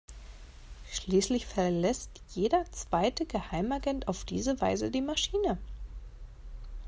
Schließlich verlässt jeder zweite Geheimagent auf diese Weise die Maschine.